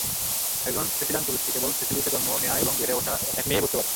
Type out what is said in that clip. একজন সিসিলান পুরুষকে কেবল সিসিলিতে জন্ম নেয়া এবং বেড়ে ওঠা এক মেয়েই বুঝতে পারে।